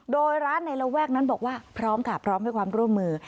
โดยร้านในระแวกนั้นบอกว่าพร้อมค่ะพร้อมให้ความร่วมมือ